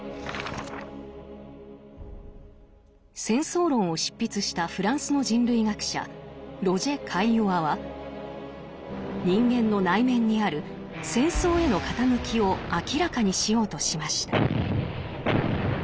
「戦争論」を執筆したフランスの人類学者ロジェ・カイヨワは人間の内面にある「戦争への傾き」を明らかにしようとしました。